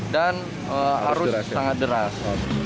dan arus sangat deras